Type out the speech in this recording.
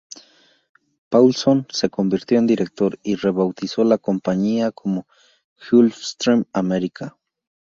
Paulson se convirtió en director, y rebautizó la compañía como Gulfstream America.